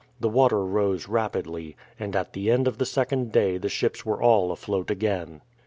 The water rose rapidly, and at the end of the second day the ships were all afloat again.